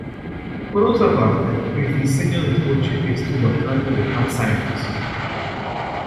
Por otra parte, el diseño del coche estuvo a cargo de Pat Symonds.